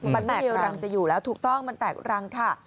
มันไม่มีรังจะอยู่แล้วถูกต้องมันแตกรังค่ะ